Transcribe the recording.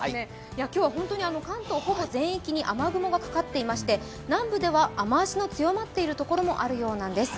今日は本当に関東、ほぼ全域に雨雲がかかっていまして南部では雨足の強まっている所もあるようなんです。